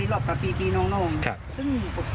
มีจนมีจนมีมีจนธุ้ายอู่